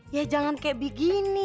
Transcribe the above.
ya jangan kayak begini